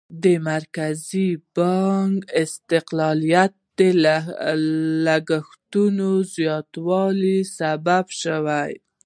د مرکزي بانک استقلالیت د لګښتونو زیاتوالي سبب شو.